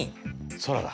空だ。